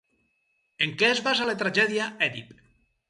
En què es basa la tragèdia Èdip?